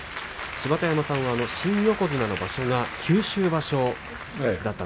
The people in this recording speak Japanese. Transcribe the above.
芝田山さんは新横綱の場所が九州場所でした。